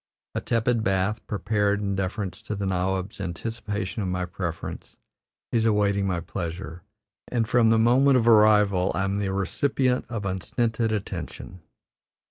A tepid bath, prepared in deference to the nawab's anticipation of my preference, is awaiting my pleasure, and from the moment of arrival I am the recipient of unstinted attention.